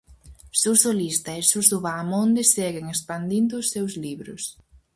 Suso Lista e Suso Bahamonde seguen expandindo os seus libros.